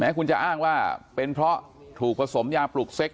คุณจะอ้างว่าเป็นเพราะถูกผสมยาปลุกเซ็ก